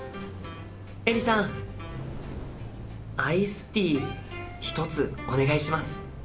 アイスティー１つお願いします。